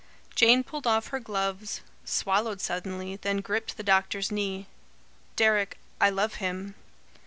Jane pulled off her gloves, swallowed suddenly, then gripped the doctor's knee. "Deryck I love him."